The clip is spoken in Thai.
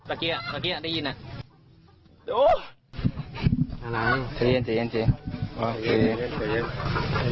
เมื่อกี้อ่ะเมื่อกี้อ่ะได้ยินอ่ะโอ๊ยอะไรสะเย็นสะเย็นสะเย็น